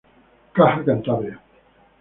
Caja Cantabria.